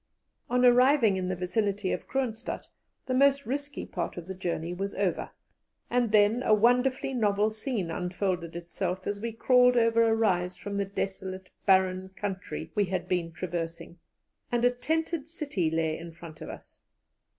On arriving in the vicinity of Kroonstadt, the most risky part of the journey was over, and then a wonderfully novel scene unfolded itself as we crawled over a rise from the desolate, barren country we had been traversing, and a tented city lay in front of us.